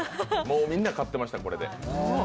みんな買ってました、これで。